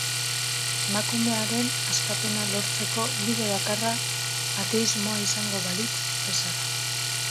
Emakumearen askapena lortzeko bide bakarra ateismoa izango balitz bezala.